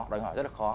đòi hỏi rất là khó